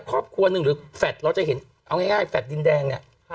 ครอบครัวหนึ่งหรือแฟทเราจะเห็นเอาง่ายง่ายแฟทดินแดงเนี้ยค่ะ